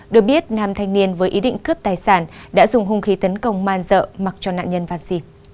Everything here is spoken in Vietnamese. được biết nam thanh niên với ý định cướp tài sản đã dùng hung khí tấn công man dợ mặc cho nạn nhân vansy